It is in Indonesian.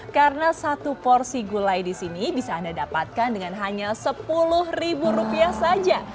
karena satu porsi gulai di sini bisa anda dapatkan dengan hanya sepuluh ribu rupiah saja